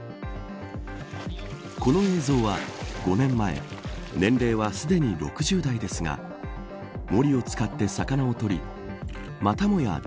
この映像は５年前年齢はすでに６０代ですがもりを使って魚を取りまたもや